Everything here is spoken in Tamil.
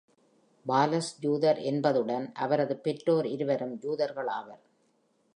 வாலஸ் யூதர் என்பதுடன் அவரது பெற்றோர் இருவரும் யூதர்கள் ஆவர்.